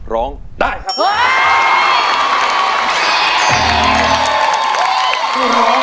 ร้องได้ครับ